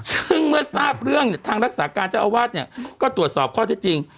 ซึ่งเมื่อทราบเรื่องเนี่ยทางรักษาการเจ้าอาวาสเนี่ยก็ตรวจสอบข้อเท็จจริง